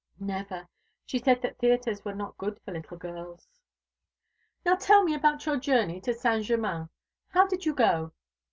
"Never. She said that theatres were not good for little girls." "Now tell me about your journey to Saint Germain. How did you go?"